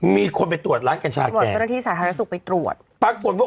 มีคนไปตรวจร้านกัญชาแกะ